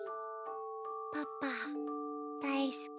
パパだいすき。